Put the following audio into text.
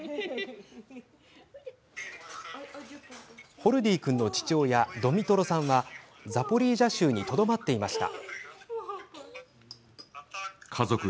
ホルディー君の父親ドミトロさんはザポリージャ州にとどまっていました。